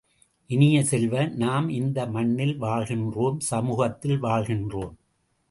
இனிய செல்வ, நாம் இந்த மண்ணில் வாழ்கின்றோம் சமூகத்தில் வாழ்கின்றோம்!